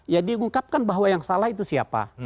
ya diungkapkan bahwa yang salah itu siapa